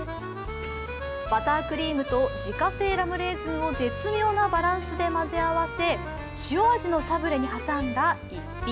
バタークリームと自家製ラムレーズンを絶妙なバランスで混ぜ合わせ塩味のサブレに挟んだ逸品。